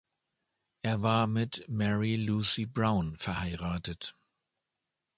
Er war mit Mary Lucy Brown verheiratet.